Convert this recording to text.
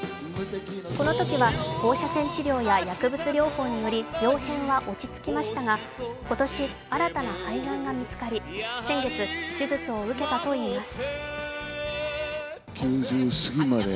このときは放射線治療や薬物治療などにより、病変は落ち着きましたが、新しい病変が見つかり先月、手術を受けたといいます。